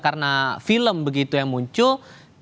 karena film begitu yang muncul